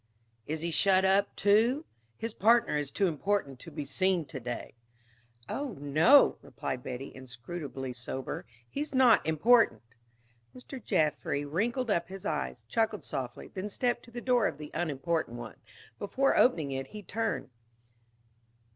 "Is he shut up, too? His partner is too important to be seen today." "Oh no," Betty replied, inscrutably sober, "he's not important." Mr. Jaffry wrinkled up his eyes, chuckled softly, then stepped to the door of the unimportant one. Before opening it, he turned.